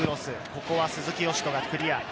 ここは鈴木嘉人がクリア。